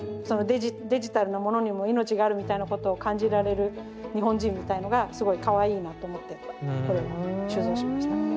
そのデジタルなものにも命があるみたいなことを感じられる日本人みたいのがすごいかわいいなと思ってこれも収蔵しました。